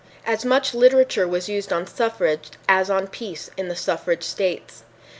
As much literature was used on suffrage as on peace in the suffrage states.